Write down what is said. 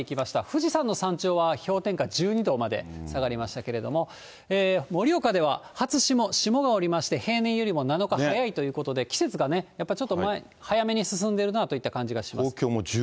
富士山の山頂は氷点下１２度まで下がりましたけれども、盛岡では初霜、霜が降りまして、平年よりも７日早いということで、季節がやっぱりちょっと早めに進んでるなといった感じがします。